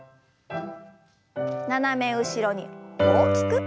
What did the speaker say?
斜め後ろに大きく。